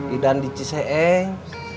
idan di ciseeng